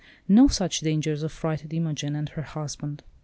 No such dangers affrighted Imogen and her husband.